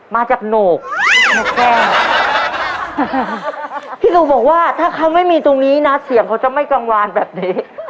มาจากโหนกพี่หนูบอกว่าถ้าเขาไม่มีตรงนี้นะเสียงเขาจะไม่กังวานแบบนี้